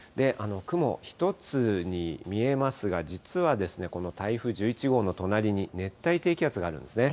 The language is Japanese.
雲、１つに見えますが、実はですね、この台風１１号の隣に熱帯低気圧があるんですね。